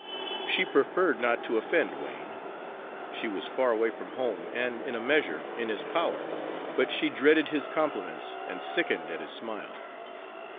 She preferred not to offend Wain; she was far away from home and in a measure in his power, but she dreaded his compliments and sickened at his smile.